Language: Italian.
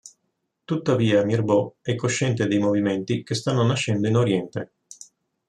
Tuttavia Mirbeau è cosciente dei movimenti che stanno nascendo in Oriente.